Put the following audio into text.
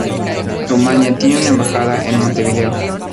Rumania tiene una embajada en Montevideo.